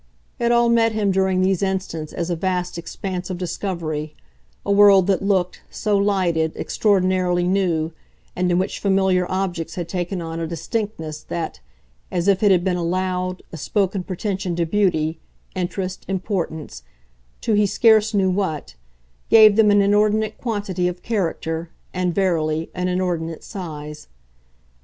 It all met him during these instants as a vast expanse of discovery, a world that looked, so lighted, extraordinarily new, and in which familiar objects had taken on a distinctness that, as if it had been a loud, a spoken pretension to beauty, interest, importance, to he scarce knew what, gave them an inordinate quantity of character and, verily, an inordinate size.